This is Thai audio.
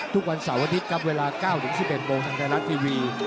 ทุกวันเสาร์อาทิตย์ครับเวลา๙๑๑โมงทางไทยรัฐทีวี